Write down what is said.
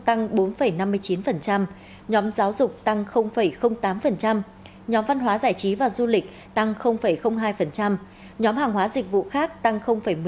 tăng bốn năm mươi chín nhóm giáo dục tăng tám nhóm văn hóa giải trí và du lịch tăng hai nhóm hàng hóa dịch vụ khác tăng một mươi năm